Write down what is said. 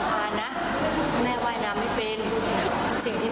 เพราะฉะนั้นพ่อของแม่ไม่ได้จากผมอย่างไรยังอยู่ตรงนี้